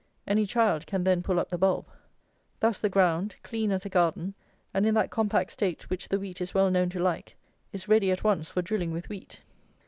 Any child can then pull up the bulb. Thus the ground, clean as a garden, and in that compact state which the wheat is well known to like, is ready, at once, for drilling with wheat.